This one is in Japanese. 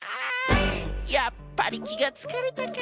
やっぱりきがつかれたか。